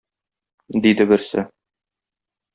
диде берсе.